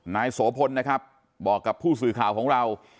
นายโสพลนะครับบอกกับผู้สื่อข่าวของเรา